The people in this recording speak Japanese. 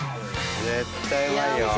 絶対うまいよ。